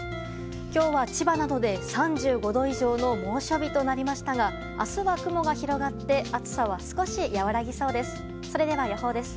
今日は千葉などで３５度以上の猛暑日となりましたが明日は雲が広がって暑さは少し和らぎそうです。